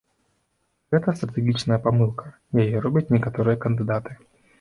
Гэта стратэгічная памылка, і яе робяць некаторыя кандыдаты.